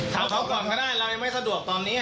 ถามเขาก่อนก็ได้เรายังไม่สะดวกตอนนี้